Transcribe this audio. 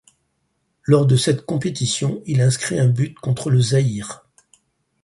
Lors de cette compétition, il inscrit un but contre le Zaïre.